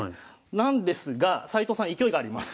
なんですが斎藤さん勢いがあります。